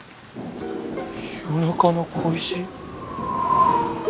夜中の小石。